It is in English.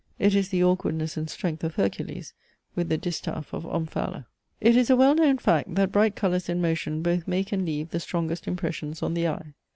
It is the awkwardness and strength of Hercules with the distaff of Omphale. It is a well known fact, that bright colours in motion both make and leave the strongest impressions on the eye.